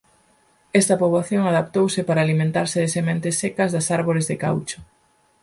Esta poboación adaptouse para alimentarse de sementes secas das árbores de caucho.